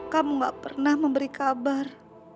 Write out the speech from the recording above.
kamu gak pernah memberi kabar